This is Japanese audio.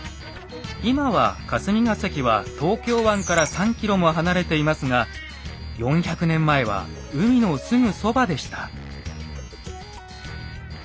今は霞が関は東京湾から３ｋｍも離れていますが４００年前は海のすぐそばでした。